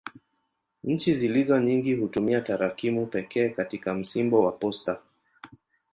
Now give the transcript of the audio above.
Nchi zilizo nyingi hutumia tarakimu pekee katika msimbo wa posta.